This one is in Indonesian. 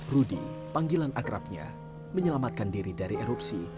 rudy panggilan akrabnya menyelamatkan diri dari erupsi